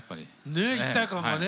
ねえ一体感がね。